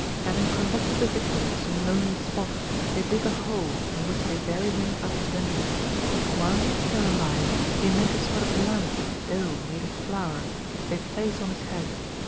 Having conducted the victim to some lonely spot, they dig a hole, in which they bury him up to the neck. While he is still alive, they make a sort of lamp of dough made of flour, which they place on his head.